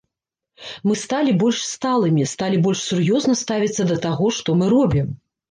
Мы сталі больш сталымі, сталі больш сур'ёзна ставіцца да таго, што мы робім.